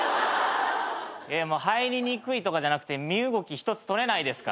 いやもう入りにくいとかじゃなくて身動き一つ取れないですからそんな。